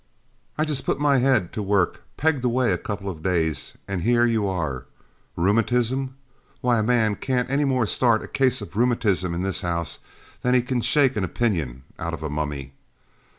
I just put my head to work, pegged away a couple of days, and here you are! Rheumatism? Why a man can't any more start a case of rheumatism in this house than he can shake an opinion out of a mummy!